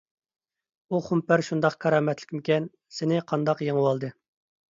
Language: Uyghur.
ئۇ خۇمپەر شۇنداق كارامەتلىكمىكەن؟ سېنى قانداق يېڭىۋالدى؟